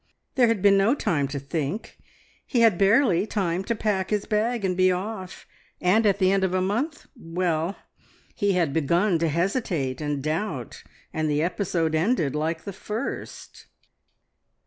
There had been no time to think. He had barely time to pack his bag and be off. And at the end of a month, well! He had begun to hesitate and doubt, and the episode ended like the first.